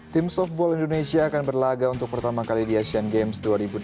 tim softball indonesia akan berlaga untuk pertama kali di asian games dua ribu delapan belas